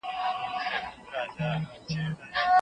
اقتصادي روابط بايد د ټولو ترمنځ عادلانه وي.